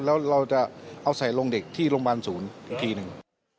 แล้วเราจะเอาใส่ลงเด็กที่โรงพยาบาลศูนย์อีกทีหนึ่ง